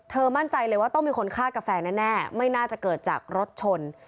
มั่นใจเลยว่าต้องมีคนฆ่ากาแฟแน่ไม่น่าจะเกิดจากรถชน